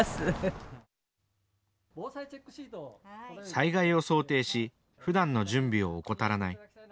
災害を想定しふだんの準備を怠らない。